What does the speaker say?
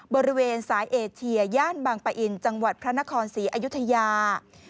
บริเวณสายเอเชียย่านบางปะอินจังหวัดพระนครศรีอยุธยา